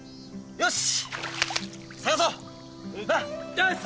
よし。